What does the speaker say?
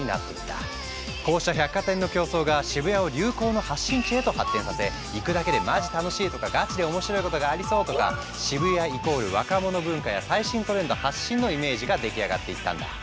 こうした百貨店の競争が渋谷を流行の発信地へと発展させ行くだけで「マジ楽しい」とか「ガチで面白いことがありそう」とかのイメージが出来上がっていったんだ。